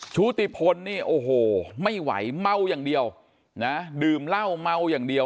ชุติพลนี่โอ้โหไม่ไหวเมาอย่างเดียวนะดื่มเหล้าเมาอย่างเดียว